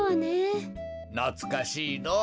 なつかしいのぉ。